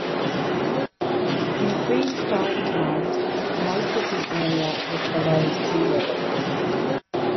In prehistoric times most of the area was below sea level.